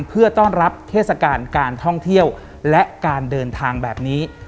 เพื่อต้อนรับเทศกาลการท่องเที่ยวและการเดินทางแบบนี้